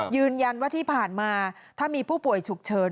ยืนยันว่าที่ผ่านมาถ้ามีผู้ป่วยฉุกเฉิน